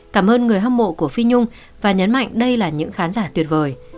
cảm ơn người hâm mộ của phi nhung và nhấn mạnh đây là những khán giả tuyệt vời